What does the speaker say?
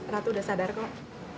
ratu udah sadar kok